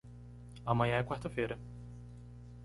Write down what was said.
Amanhã é quarta feira.